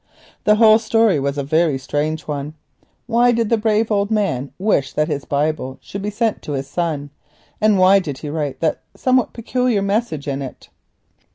The whole story was a very strange one. Why did the brave old man wish that his Bible should be sent to his son, and why did he write that somewhat peculiar message in it?